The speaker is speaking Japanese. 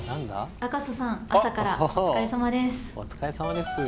赤楚さん、朝からお疲れさまです。